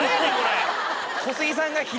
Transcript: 小杉さんが。